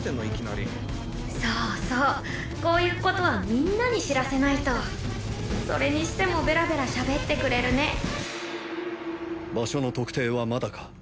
いきなりそうそうこういうことはみんなに知らせないとそれにしてもベラベラしゃべってくれるね場所の特定はまだか